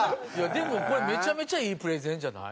でもこれめちゃめちゃいいプレゼンじゃない？